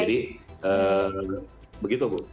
jadi begitu bu